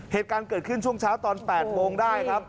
เหตุการณ์เกิดขึ้นช่วงเช้าตอน๘โมงได้ครับ